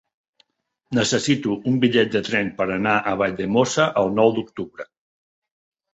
Necessito un bitllet de tren per anar a Valldemossa el nou d'octubre.